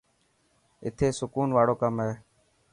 اٿي سڪون واڙو ڪم هي.